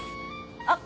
あっ！